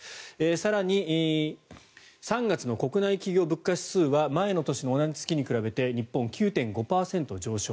更に、３月の国内企業物価指数は前の月に比べて日本は９．５％上昇。